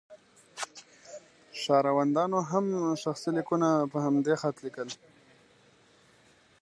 ښاروندانو هم شخصي لیکونه په همدې خط لیکل.